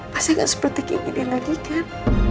pasti gak seperti kini lagi kan